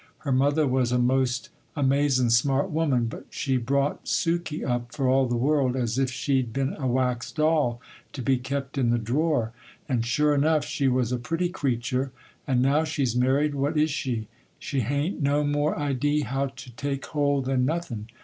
Her mother was a most amazin' smart woman; but she brought Suky up, for all the world, as if she'd been a wax doll, to be kept in the drawer,—and sure enough, she was a pretty cretur,—and now she's married, what is she? She ha'n't no more idee how to take hold than nothin'.